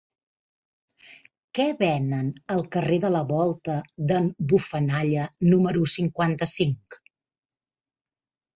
Què venen al carrer de la Volta d'en Bufanalla número cinquanta-cinc?